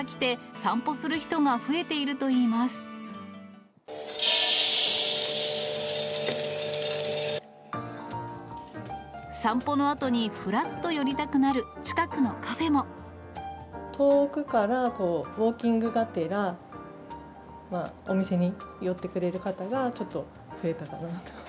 散歩のあとに、ふらっと寄りたく遠くから、ウォーキングがてら、お店に寄ってくれる方がちょっと増えたかな